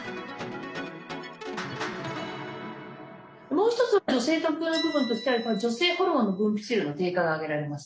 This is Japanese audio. もう一つ女性特有の部分としては女性ホルモンの分泌量の低下が挙げられます。